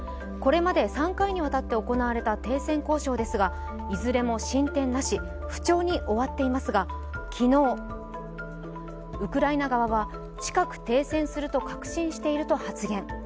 これまで３回にわたって行われた停戦交渉ですがいずれも進展なし不調に終わっていますが昨日、ウクライナ側は近く、停戦すると確信していると発言。